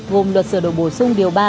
gồm luật sửa đổi bổ sung điều ba